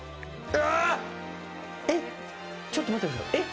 えっえっちょっと待ってください。